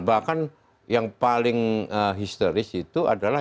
bahkan yang paling historis itu adalah